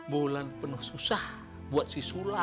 bulan penuh susah buat si sula